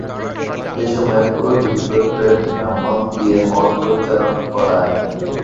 এ সময়ে পুরোহিত গোত্রের ব্রাহ্মণ দিয়ে মন্ত্র উচ্চারণ করায়।